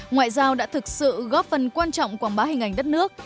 ngoại giao đã thực sự góp phần quan trọng quảng bá hình ảnh đất nước